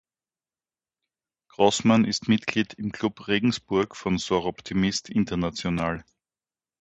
Grossmann ist Mitglied im "Club Regensburg" von Soroptimist International.